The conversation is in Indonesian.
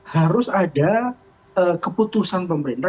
harus ada keputusan pemerintah